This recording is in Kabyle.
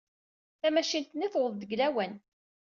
Tamacint-nni tuweḍ-d deg lawan.